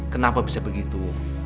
kenapa bisa begitu